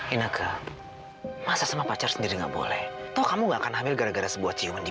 enak masalah pacar sendiri nggak boleh kau kamu nggak akan hamil gara gara sebuah ciuman di